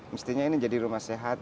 mestinya ini jadi rumah sehat